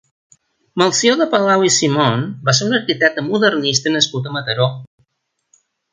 Melcior de Palau i Simón va ser un arquitecte modernista nascut a Mataró.